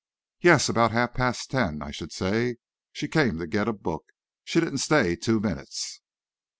"Yes; about half past ten, I should say; she came to get a book. She didn't stay two minutes."